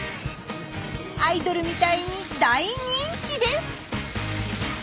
アイドルみたいに大人気です！